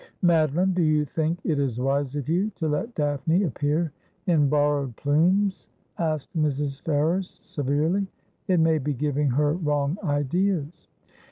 ' Madoline, do you think it is wise of you to let Daphne appear in borrowed plumes?' asked Mrs. Ferrers severely. 'It may be giving her wrong ideas.'